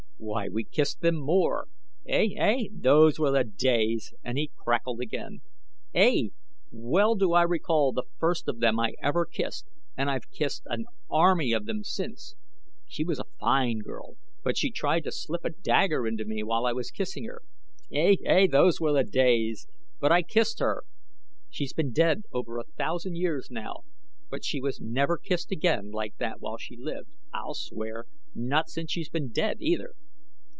Why, we kissed them more. Ey, ey, those were the days!" and he cackled again. "Ey, well do I recall the first of them I ever kissed, and I've kissed an army of them since; she was a fine girl, but she tried to slip a dagger into me while I was kissing her. Ey, ey, those were the days! But I kissed her. She's been dead over a thousand years now, but she was never kissed again like that while she lived, I'll swear, not since she's been dead, either.